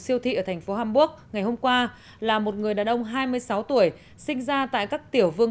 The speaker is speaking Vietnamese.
siêu thị ở thành phố hamburg ngày hôm qua là một người đàn ông hai mươi sáu tuổi sinh ra tại các tiểu vương